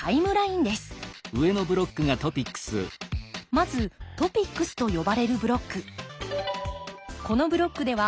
まずトピックスと呼ばれるブロック。